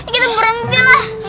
kita berhenti lah